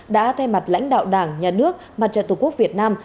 đã thay mặt lãnh đạo đảng nhà nước mặt trận tổ quốc việt nam